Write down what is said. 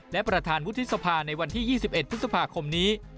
และประธานวุฒิสภาในวันที่๒๑พฤษภาคมนี้